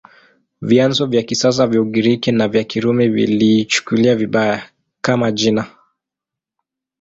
Vyanzo vya kisasa vya Ugiriki na vya Kirumi viliichukulia vibaya, kama jina.